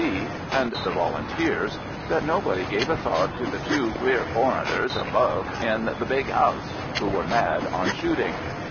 C. and the Volunteers, that nobody gave a thought to the "two queer foreigners above in the big house" who were mad on shooting.